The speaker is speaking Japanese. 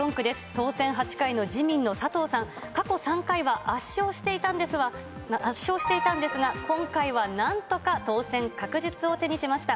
当選８回の自民の佐藤さん、過去３回は圧勝していたんですが、今回はなんとか当選確実を手にしました。